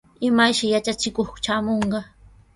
¿Imayshi yatrachikuq traamunqa?